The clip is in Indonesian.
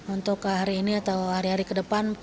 untuk hari ini atau hari hari ke depan